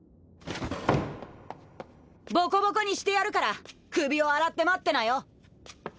ボコボコにしてやるから首を洗って待ってなよ。